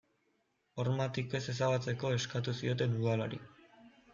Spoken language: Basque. Hormatik ez ezabatzeko eskatu zioten udalari.